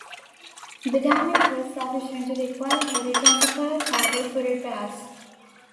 The damage was sufficient to require her return to Pearl Harbor for repairs.